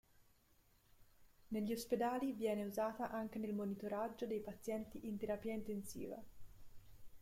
Negli ospedali viene usata anche nel monitoraggio dei pazienti in terapia intensiva.